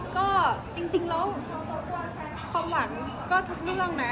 ก็จริงแล้วความหวังก็ทุกเรื่องนะ